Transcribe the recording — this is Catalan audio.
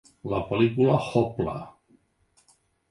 La pel·lícula Hoppla!